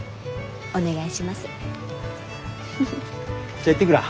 じゃ行ってくら。